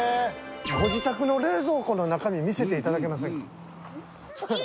ご自宅の冷蔵庫の中身見せて頂けませんか？